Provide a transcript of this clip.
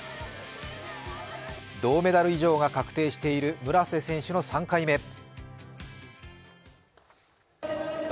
銅メダル以上が確定している村瀬選手の３回目。